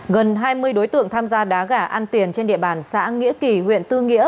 gần hai mươi đối tượng tham gia đá gà ăn tiền trên địa bàn xã nghĩa kỳ huyện tư nghĩa